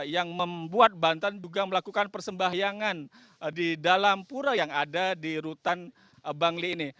yang membuat banten juga melakukan persembahyangan di dalam pura yang ada di rutan bangli ini